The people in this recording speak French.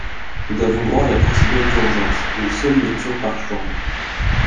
Nous avons droit à la procédure d’urgence : une seule lecture par chambre.